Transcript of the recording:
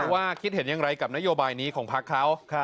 ว่าคิดเห็นอย่างไรกับนโยบายนี้ของพักเขา